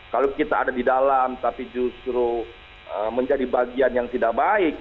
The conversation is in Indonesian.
kalau kita ada di dalam tapi justru menjadi bagian yang tidak baik